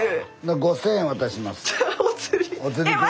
５，０００円渡します。